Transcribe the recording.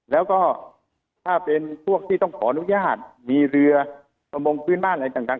แล้วก็ถ้าเป็นพวกที่ต้องขออนุญาตมีเรือประมงพื้นบ้านอะไรต่าง